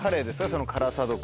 その辛さとか。